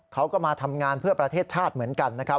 เขาก็มาทำงานเพื่อประเทศชาติเหมือนกันนะครับ